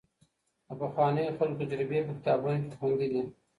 د پخوانيو خلګو تجربې په کتابونو کي خوندي دي.